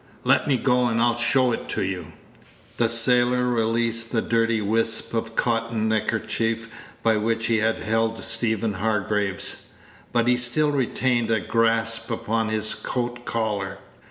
Let me go, and I'll show it to you." The sailor released the dirty wisp of cotton neckerchief by which he had held Stephen Hargraves, but he still retained a grasp upon his coat collar.